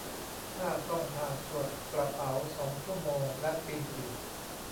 ถ้าต้องผ่านตรวจกระเป๋า สอง ชั่วโมงและบินอีก